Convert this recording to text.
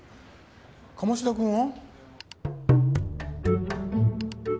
鴨志田君は？